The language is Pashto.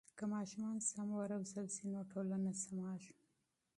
که ماشومان سم و روزل سي نو ټولنه سمیږي.